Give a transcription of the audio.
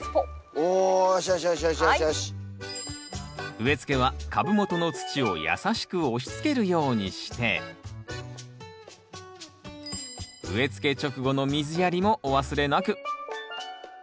植え付けは株元の土を優しく押しつけるようにして植え付け直後の水やりもお忘れなく。